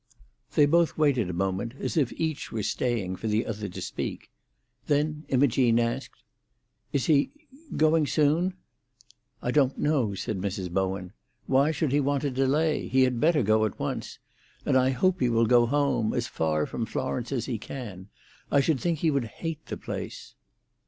They both waited a moment, as if each were staying for the other to speak. Then Imogene asked, "Is he—going soon?" "I don't know," said Mrs. Bowen. "Why should he want to delay? He had better go at once. And I hope he will go home—as far from Florence as he can. I should think he would hate the place."